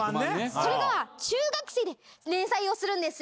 それが中学生で連載をするんですよ。